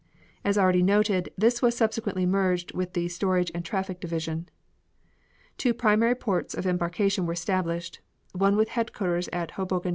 As already noted, this was subsequently merged with the Storage and Traffic Division. Two primary ports of embarkation were established, one with headquarters at Hoboken, N.